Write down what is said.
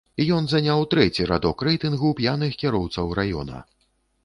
Ён заняў трэці радок рэйтынгу п'яных кіроўцаў раёна.